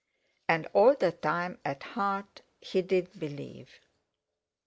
And all the time at heart—he did believe.